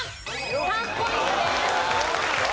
３ポイントです。